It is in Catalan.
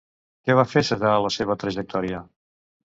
Què va fer cessar la seva trajectòria?